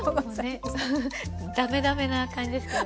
ダメダメな感じですけどね。